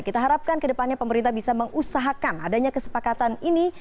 kita harapkan kedepannya pemerintah bisa mengusahakan adanya kesepakatan ini